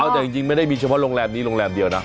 แต่จริงไม่ได้มีเฉพาะโรงแรมนี้โรงแรมเดียวนะ